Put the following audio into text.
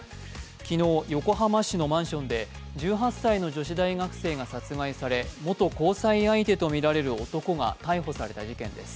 昨日、横浜市のマンションで１８歳の女子大学生が殺害され、元交際相手とみられる男が逮捕された事件です。